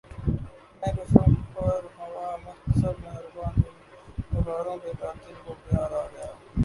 مے کشوں پر ہوا محتسب مہرباں دل فگاروں پہ قاتل کو پیار آ گیا